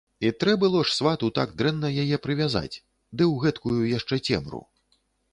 І трэ было ж свату так дрэнна яе прывязаць, ды ў гэткую яшчэ цемру.